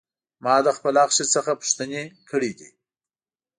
ما د خپل اخښي څخه پوښتنې کړې دي.